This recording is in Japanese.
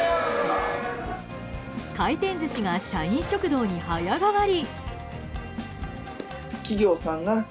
回転寿司が社員食堂に早変わり！